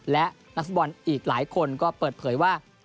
และนักฟุตบอลอีกหลายคนก็เปิดเผยว่า